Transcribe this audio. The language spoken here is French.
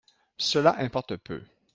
Cela importe peu.